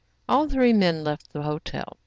'* All three then left the hotel. .